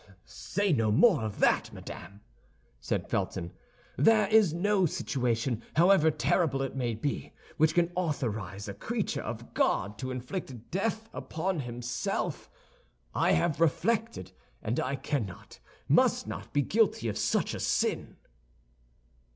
"Say no more of that, madame," said Felton. "There is no situation, however terrible it may be, which can authorize a creature of God to inflict death upon himself. I have reflected, and I cannot, must not be guilty of such a sin."